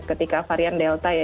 ketika varian delta ya